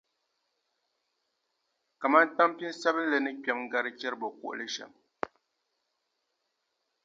Kaman tampiŋ sabinli ni kpɛm’ gari chɛribokuɣili shɛm.